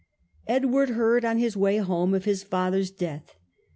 Edward heard on his way home of his father's death.